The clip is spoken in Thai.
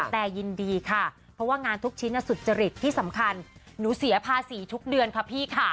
แต่ยินดีค่ะเพราะว่างานทุกชิ้นสุจริตที่สำคัญหนูเสียภาษีทุกเดือนค่ะพี่ค่ะ